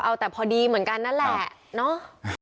เอาแต่พอดีเหมือนกันนั่นแหละเนาะ